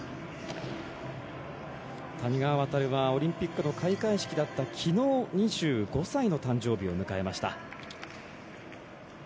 谷川航はオリンピックの開会式だった昨日、２５歳の誕生日を迎えました。